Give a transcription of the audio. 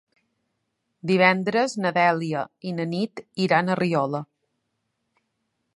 Divendres na Dèlia i na Nit iran a Riola.